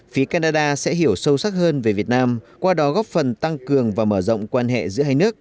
phía canada sẽ hiểu sâu sắc hơn về việt nam qua đó góp phần tăng cường và mở rộng quan hệ giữa hai nước